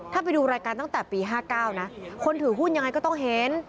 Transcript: ถ้าไปดูรายการตั้งแต่ปี๕๙นะคนถือหุ้นยังไงก็ต้องเห็น